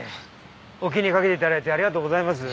お気にかけて頂いてありがとうございます。